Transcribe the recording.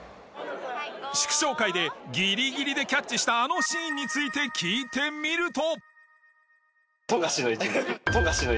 祝勝会でぎりぎりでキャッチしたあのシーンについて聞いてみると。